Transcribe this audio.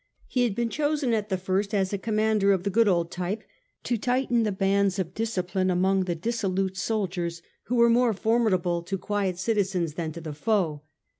He had been chosen at the first as a commander of the good old type to tighten the bands of discipline among the dissolute soldiers who were more formidable to quiet citizens than to the foe.